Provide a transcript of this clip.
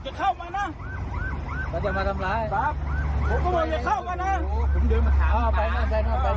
เขาจะมาทำร้ายครับผมก็บอกเดี๋ยวเข้ามานะ